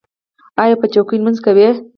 ایا په چوکۍ لمونځ کوئ؟